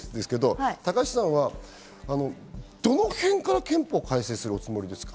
高市さんはどのへんから憲法改正をするおつもりですか？